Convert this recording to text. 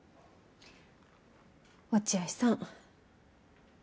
落合さん。